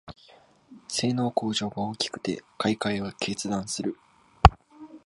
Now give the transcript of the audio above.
性能向上が大きくて買いかえを決断する